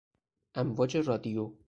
امواج رادیو